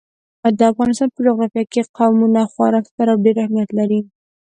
د افغانستان په جغرافیه کې قومونه خورا ستر او ډېر اهمیت لري.